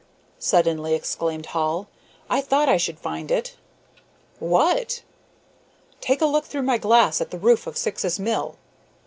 suddenly exclaimed Hall, "I thought I should find it." "What?" "Take a look through my glass at the roof of Syx's mill.